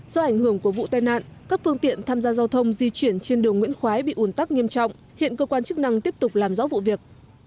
do ảnh hưởng của vụ tai nạn các phương tiện tham gia giao thông di chuyển trên đường nguyễn khoái bị ủn tắc nghiêm trọng hiện cơ quan chức năng tiếp tục làm rõ vụ việc